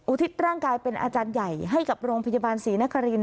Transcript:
ทิศร่างกายเป็นอาจารย์ใหญ่ให้กับโรงพยาบาลศรีนครินท